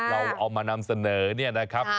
เราเอามานำเสนอเนี่ยนะครับ